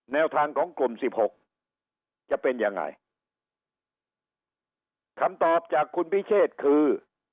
แนวทางของกลุ่มสิบหกจะเป็นยังไงคำตอบจากคุณพิเชษคือ